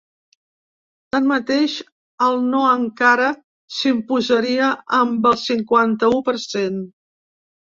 Tanmateix, el no encara s’imposaria amb el cinquanta-u per cent.